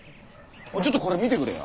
ちょっとこれ見てくれよ。